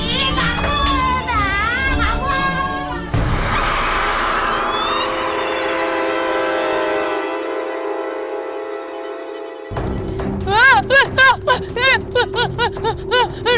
ih takut takut